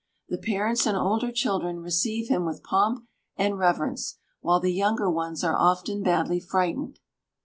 The parents and older children receive him with pomp and reverence, while the younger ones are often badly frightened.